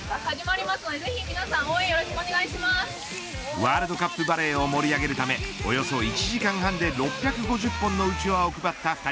ワールドカップバレーを盛り上げるためおよそ１時間半で６５０本のうちわを配った２人。